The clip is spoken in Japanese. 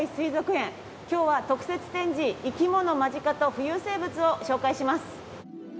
今日は特設展示イキモノマヂカと浮遊生物を紹介します。